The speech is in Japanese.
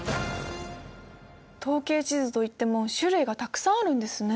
統計地図といっても種類がたくさんあるんですね。